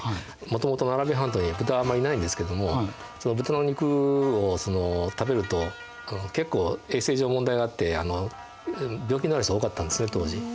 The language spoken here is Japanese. もともとアラビア半島には豚はあんまりいないんですけども豚の肉を食べると結構衛生上問題があって病気になる人が多かったんですね当時。